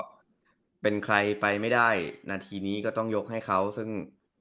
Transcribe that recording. ก็เป็นใครไปไม่ได้นาทีนี้ก็ต้องยกให้เขาซึ่ง